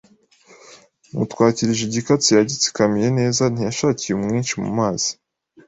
mutwakirije igikatsi yagitsikamiye neza ntiyashakiye uwinshi mu mazi